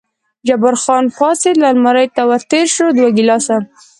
جبار خان پاڅېد، المارۍ ته ور تېر شو، دوه ګیلاسه.